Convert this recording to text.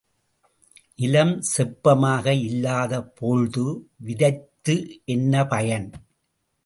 நிலம் செப்பமாக இல்லாதபோழ்து விதைத்து என்ன பயன்?.